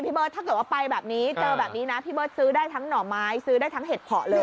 เบิร์ตถ้าเกิดว่าไปแบบนี้เจอแบบนี้นะพี่เบิร์ตซื้อได้ทั้งหน่อไม้ซื้อได้ทั้งเห็ดเพาะเลย